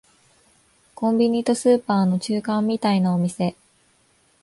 コンビニとスーパーの中間みたいなお店